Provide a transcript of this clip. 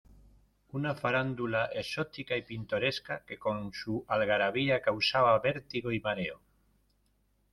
una farándula exótica y pintoresca que con su algarabía causaba vértigo y mareo.